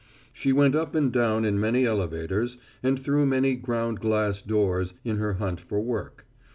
She went up and down in many elevators and through many ground glass doors in her hunt for work.